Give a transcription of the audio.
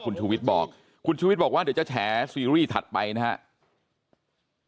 คุณชูวิทย์บอกว่าเดี๋ยวจะแฉซีรีส์ถัดไปนะฮะ